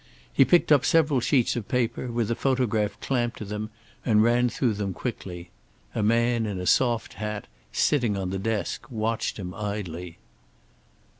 He picked up several sheets of paper, with a photograph clamped to them, and ran through them quickly. A man in a soft hat, sitting on the desk, watched him idly.